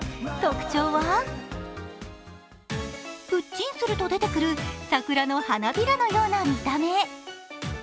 特徴は、プッチンすると出てくる桜の花びらのような見た目。